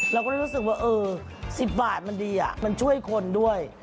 เราก็เลยรู้สึกว่า๑๐บาทมันดีมันช่วยคนด้วย